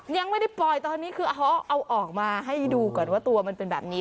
ยังไม่ได้ปล่อยตอนนี้คือเขาเอาออกมาให้ดูก่อนว่าตัวมันเป็นแบบนี้